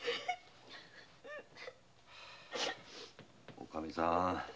おかみさん